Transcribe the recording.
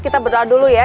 kita berdoa dulu ya